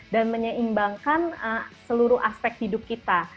dan menyeimbangkan seluruh aspek hidup kita